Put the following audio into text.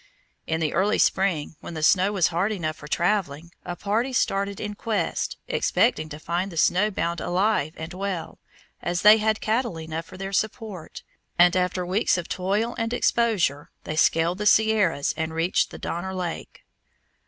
In the early spring, when the snow was hard enough for traveling, a party started in quest, expecting to find the snow bound alive and well, as they had cattle enough for their support, and, after weeks of toil and exposure, they scaled the Sierras and reached the Donner Lake.